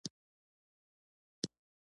ژوندي پښې لري